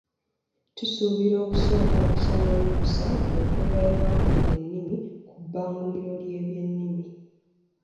Tusuubira okusooka okusaba olukusa okuva ew'akulira ennimi ku bbanguliro ly'ebyennimi.